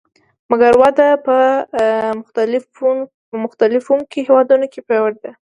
مګر وده په پرمختلونکو هېوادونو کې پیاوړې ده